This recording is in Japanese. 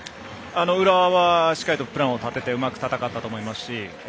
浦和はしっかりプランを立てて戦ったと思います。